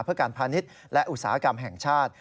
เพื่อการพาณิชย์และอุตสาหกรรมแห่งชาติ